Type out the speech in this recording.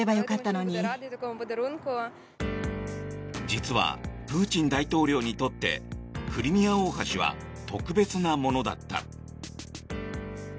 実は、プーチン大統領にとってクリミア大橋は特別なものだった。